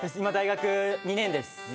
今大学２年です。